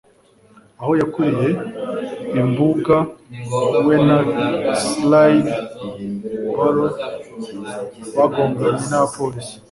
aho yakuriye; imbuga we na clyde barrow bagonganye n'abapolisi